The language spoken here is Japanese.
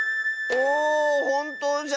おおほんとうじゃ！